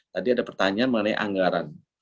tadi ada pertanyaan mengenai anggaran